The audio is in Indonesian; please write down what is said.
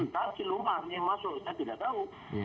tapi luar yang masuk saya tidak tahu